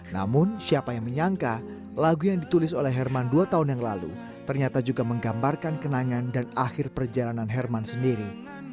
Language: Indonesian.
namun siapa yang menyangka lagu yang ditulis oleh herman dua tahun yang lalu ternyata juga menggambarkan kenangan dan akhir perjalanan herman sendiri